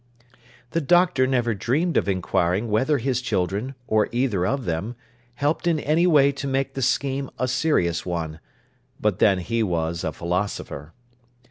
The Doctor never dreamed of inquiring whether his children, or either of them, helped in any way to make the scheme a serious one. But then he was a Philosopher.